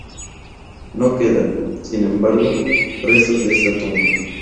No quedan, sin embargo, restos de esta tumba.